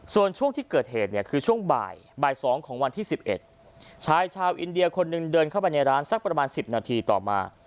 ส่วนช่วงที่เกิดเหตุเนี่ยคือช่วงบ่ายบ่าย๒ของวันที่๑๑ชายชาวอินเดียคนหนึ่งเดินเข้าไปในร้านสักประมาณ๑๐นาทีต่อมา